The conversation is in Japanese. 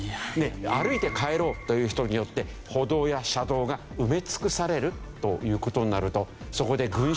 歩いて帰ろうという人によって歩道や車道が埋め尽くされるという事になるとそこで群集